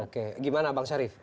oke gimana bang sharif